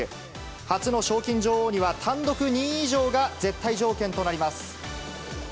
初の賞金女王には単独２位以上が絶対条件となります。